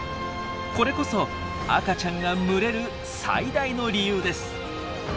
これこそ赤ちゃんが群れる最大の理由です。